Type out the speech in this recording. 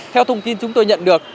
theo thông tin chúng tôi nhận được